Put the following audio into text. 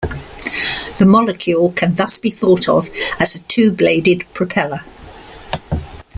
The molecule can thus be thought of as a two-bladed propeller.